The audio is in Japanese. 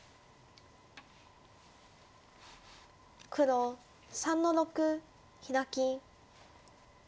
黒３の六ヒラキ。